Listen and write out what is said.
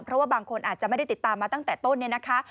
เพราะว่าบางคนอาจจะไม่ได้ติดตามมาตั้งแต่ต้นเนี่ยนะคะ